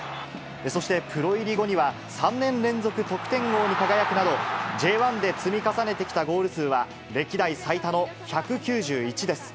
そして、プロ入り後には、３年連続得点王に輝くなど、Ｊ１で積み重ねてきたゴール数は歴代最多の１９１です。